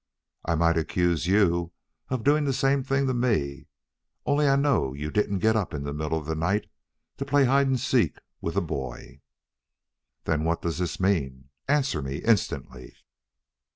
"I might accuse you of doing the same thing to me, only I know you didn't get up in the middle of the night to play hide and seek with a boy " "Then what does this mean? Answer me instantly!"